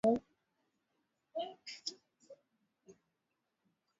ambaye alipinduliwa na Idi Amin Dadaa